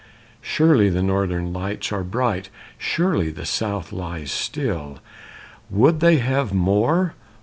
"Surely the northern lights are bright. Surely the South lies still. Would they have more?